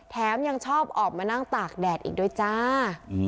ยังชอบออกมานั่งตากแดดอีกด้วยจ้า